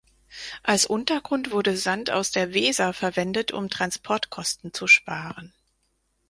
Als Untergrund wurde Sand aus der Weser verwendet, um Transportkosten zu sparen.